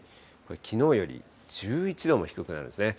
きのうより１１度も低くなるんですね。